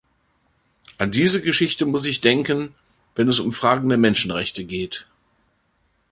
An diese Geschichte muss ich denken, wenn es um Fragen der Menschenrechte geht.